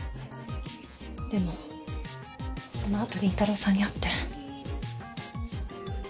でもその後凛太郎さんに会って。